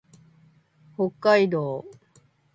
北海道岩内町